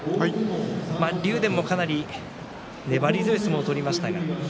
竜電も、かなり粘り強い相撲を取りました。